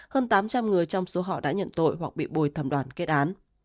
hơn tám trăm linh người trong số họ đã nhận tội hoặc bị bùi thẩm đoàn kết án